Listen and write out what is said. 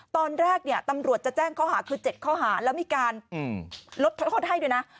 ตอนแรกเนี่ยตำรวจจะแจ้งข้อหาคือ๗ข้อหาแล้วมีการลดโทษให้ด้วยนะ